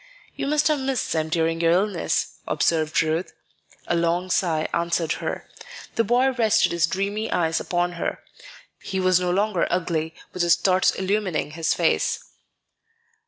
"You must have missed them during your illness," observed Ruth. A long sigh answered her. The boy rested his dreamy eyes upon her. He was no longer ugly, with his thoughts illumining his face.